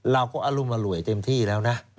เราก็อารุมอร่วยเต็มที่แล้วนะ